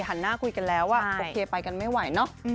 หน้าคุยกันแล้วว่าโอเคไปกันไม่ไหวเนอะ